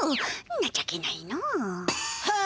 なちゃけないの。はあ？